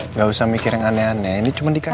nggak usah mikir yang aneh aneh ini cuma dikasih